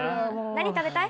何食べたい？